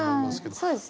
そうですね。